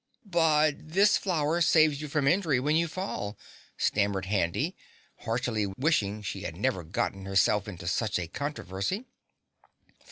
"But this flower saves you from injury when you fall," stammered Handy, heartily wishing she had never got herself into such a controversy.